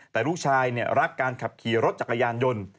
แต่ลูกชายรักการขับขี่รถจักรยานยนต์